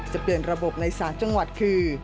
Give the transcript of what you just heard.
จะเปลี่ยนระบบใน๓จังหวัดคือ